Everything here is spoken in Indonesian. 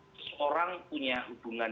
seseorang punya hubungan